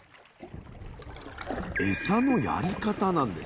エサのやり方なんです。